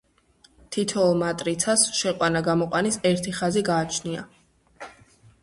თითოეულ მატრიცას შეყვანა გამოყვანის ერთი ხაზი გააჩნია.